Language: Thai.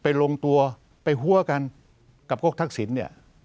ไปลงตัวไปหัวกันกับก๊กทักศิลป์